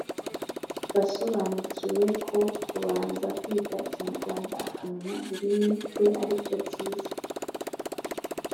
Turasobanukiwe ko kubanza kwiga Ikinyarwanda akamenya ururimi rwe ari byo byiza